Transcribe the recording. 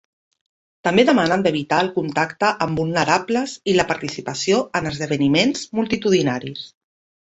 També demanen d’evitar el contacte amb vulnerables i la participació en esdeveniments multitudinaris.